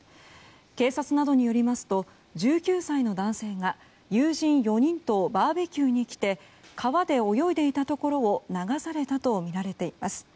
警察などによりますと１９歳の男性が友人４人とバーベキューに来て川で泳いでいたところを流されたとみられています。